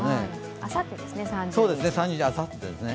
あさって、３０日ですね。